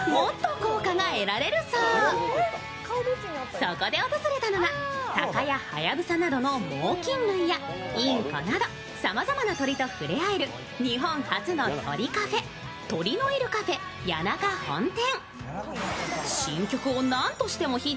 そこで訪れたのが、たかやはやぶさなどの猛きん類やインコなどさまざまな鳥と触れ合える日本初の鳥カフェ鳥のいるカフェ谷中本店。